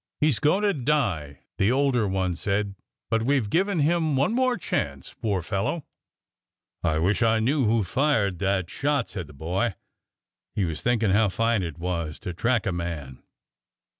He 's going to die,'^ the older one said ; but we Ve given him one more chance, poor fellow !'' I wish I knew who fired that shot !'' said the boy. He was thinking how fine it was to track a man.